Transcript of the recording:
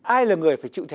ai là người phải chịu chết